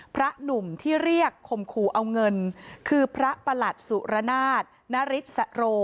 พระหนุ่มที่เรียกขมครูเอาเงินคือพระประหลัดสุรนาทร์ณฤษโร